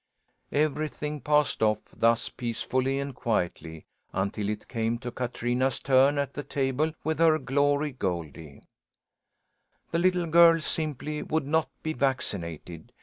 Everything passed off thus peacefully and quietly until it came to Katrina's turn at the table with her Glory Goldie. The little girl simply would not be vaccinated.